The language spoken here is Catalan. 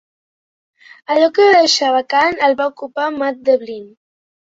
El lloc que va deixar vacant el va ocupar Matt Devlin.